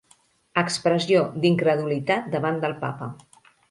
Expressió d'incredulitat davant del Papa.